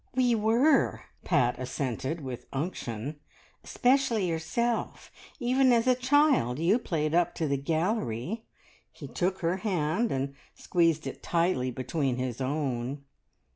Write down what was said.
"We were!" Pat assented with unction. "Especially yourself. Even as a child you played up to the gallery." He took her hand and squeezed it tightly between his own.